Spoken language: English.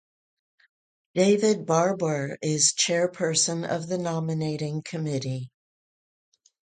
David Barbour is chairperson of the nominating committee.